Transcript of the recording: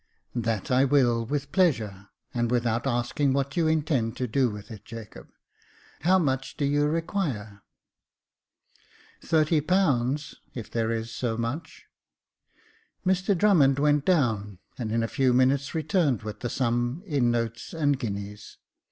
"That I will, with pleasure, and without asking what you intend to do with it, Jacob. How much do you require ?"" Thirty pounds, if there is so much." Mr Drummond went down, and in a few minutes returned with the sum, in notes and guineas.